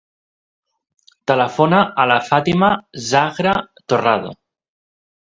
Telefona a la Fàtima zahra Torrado.